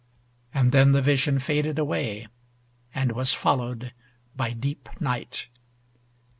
And then the vision faded away, and was followed by deep night.